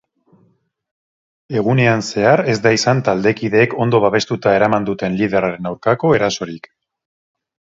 Egunean zehar ez da izan taldekideek ondo babestuta eraman duten liderraren aurkako erasorik.